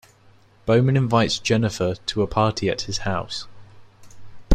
Bowman invites Jennifer to a party at his house.